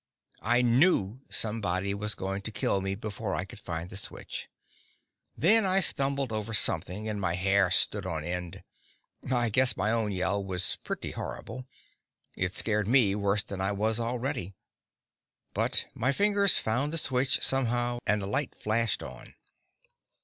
I knew somebody was going to kill me before I could find the switch. Then I stumbled over something, and my hair stood on end. I guess my own yell was pretty horrible. It scared me worse than I was already. But my fingers found the switch somehow, and the light flashed on.